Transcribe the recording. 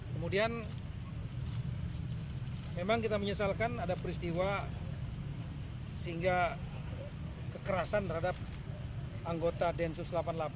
kemudian memang kita menyesalkan ada peristiwa sehingga kekerasan terhadap anggota densus delapan puluh delapan